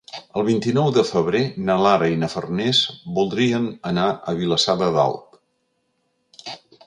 El vint-i-nou de febrer na Lara i na Farners voldrien anar a Vilassar de Dalt.